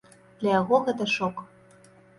Для яго гэта шок.